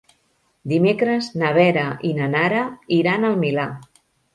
Dimecres na Vera i na Nara iran al Milà.